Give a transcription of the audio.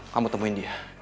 kamu temuin dia